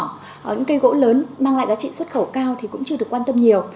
những cây gỗ lớn mang lại giá trị xuất khẩu cao thì cũng chưa được quan tâm nhiều